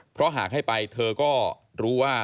เพราะหากให้ไปเธอก็รู้ว่า